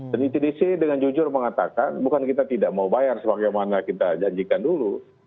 dan itdc dengan jujur mengatakan bukan kita tidak mau bayar sebagaimana kita janjikan dulu